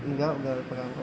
nggak udah pegang